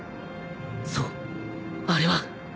そうあれは